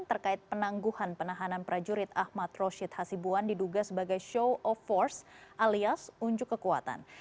terkait penangguhan penahanan prajurit ahmad roshid hasibuan diduga sebagai show of force alias unjuk kekuatan